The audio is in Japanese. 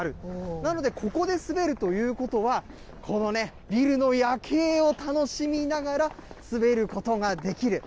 なのでここで滑るということは、このね、ビルの夜景を楽しみながら、滑ることができる。